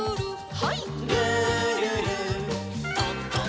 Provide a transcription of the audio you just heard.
はい。